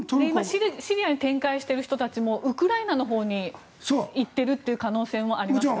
今シリアに展開している人たちもウクライナのほうに行っているという可能性もありますから。